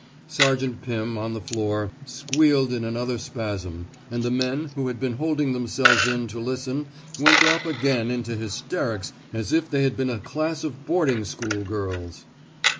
Sergeant Pirn, on the floor, squealed in another spasm, and the men, who had been holding themselves in to listen, went off again into hysterics as if they had been a class of boarding school girls.